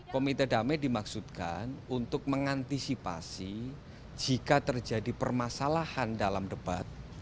komite damai dimaksudkan untuk mengantisipasi jika terjadi permasalahan dalam debat